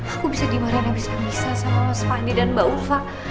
aku bisa dimarahin abis abisan sama mas fandi dan mbak urfa